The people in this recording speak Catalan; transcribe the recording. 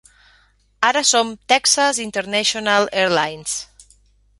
Ara som Texas International Airlines.